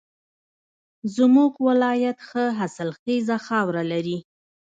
زمونږ ولایت ښه حاصلخیزه خاوره لري